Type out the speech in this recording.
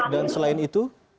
dan selain itu